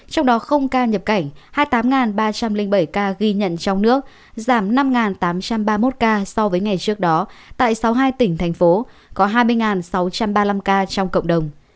trong đó ca nhập cảnh hai mươi tám ba trăm linh bảy ca ghi nhận trong nước giảm năm tám trăm ba mươi một ca so với ngày trước đó tại sáu mươi hai tỉnh thành phố có hai mươi sáu trăm ba mươi năm ca trong cộng đồng